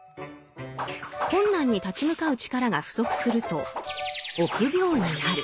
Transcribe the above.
困難に立ち向かう力が不足すると「臆病」になる。